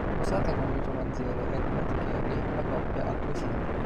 Sposata con il romanziere Edward Carey, la coppia ha due figli.